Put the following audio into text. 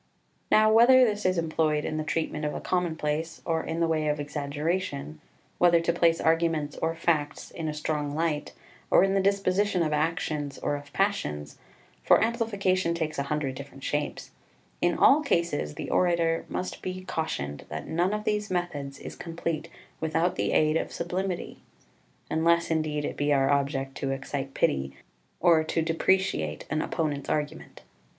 2 Now whether this is employed in the treatment of a commonplace, or in the way of exaggeration, whether to place arguments or facts in a strong light, or in the disposition of actions, or of passions for amplification takes a hundred different shapes in all cases the orator must be cautioned that none of these methods is complete without the aid of sublimity, unless, indeed, it be our object to excite pity, or to depreciate an opponent's argument.